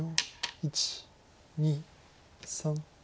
１２３。